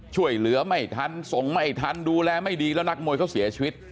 ช่วยเหลือไม่ทันส่งไม่ทันดูแลไม่ดีแล้วนักมวยเขาเสียชีวิต